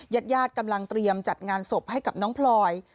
ญาติญาติกำลังเตรียมจัดงานศพให้กับน้องพลอย